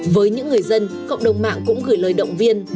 với những người dân cộng đồng mạng cũng gửi lời động viên